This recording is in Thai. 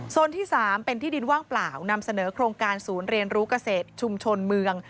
ที่๓เป็นที่ดินว่างเปล่านำเสนอโครงการศูนย์เรียนรู้เกษตรชุมชนเมือง